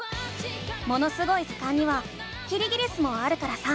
「ものすごい図鑑」にはキリギリスもあるからさ